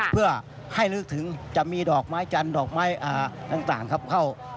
เพื่อให้ลึกถึงจะมีดอกไม้จันทร์ดอกไม้ต่างครับเข้า